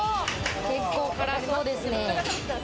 結構、辛そうですね。